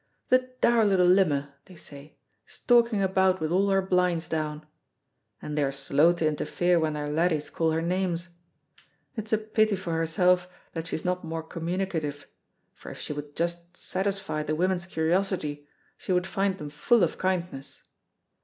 'The dour little limmer,' they say, 'stalking about wi' all her blinds down,' and they are slow to interfere when their laddies call her names. It's a pity for herself that she's not more communicative, for if she would just satisfy the women's curiosity she would find them full of kindness.